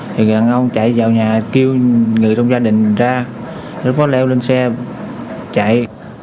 thì đàn ông chạy vào nhà kêu người trong gia đình ra nó có leo lên xe chạy